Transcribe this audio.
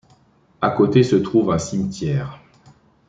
À côté se trouve un cimetière.